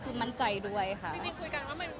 มันเป็นปัญหาจัดการอะไรครับ